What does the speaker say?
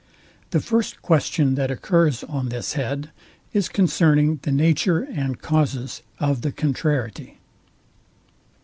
The first question, that occurs on this head, is concerning the nature and causes of the contrariety.